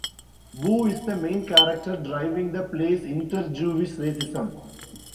Boo is the main character driving the play's inter-Jewish racism.